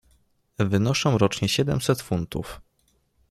"Wynoszą rocznie siedemset funtów."